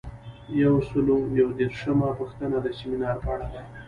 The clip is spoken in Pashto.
یو سل او یو دیرشمه پوښتنه د سمینار په اړه ده.